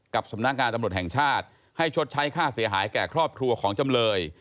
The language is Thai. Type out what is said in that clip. สำนักงานตำรวจแห่งชาติให้ชดใช้ค่าเสียหายแก่ครอบครัวของจำเลย